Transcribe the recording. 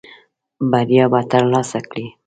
بریا به ترلاسه کړې .